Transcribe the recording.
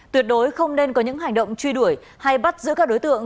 tuyệt đối không nên có những hành động truy đuổi hay bắt giữ các đối tượng